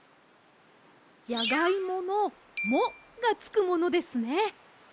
じゃがいもの「も」がつくものですね。